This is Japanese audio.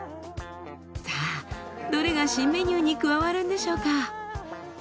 さあどれが新メニューに加わるんでしょうか？